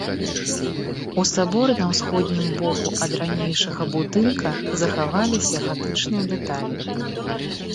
У саборы на ўсходнім боку ад ранейшага будынка захаваліся гатычныя дэталі.